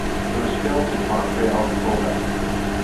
It was filmed in Montreal, Quebec.